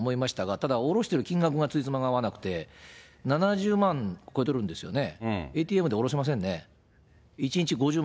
ただ、おろしてる金額がつじつまが合わなくて、７０万超えてるんですよね。